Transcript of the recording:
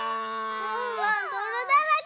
ワンワンどろだらけ。